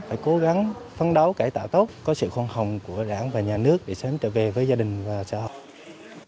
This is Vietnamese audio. phải cố gắng phấn đấu cải tạo tốt có sự khoan hồng của đảng và nhà nước để sớm trở về với gia đình và xã hội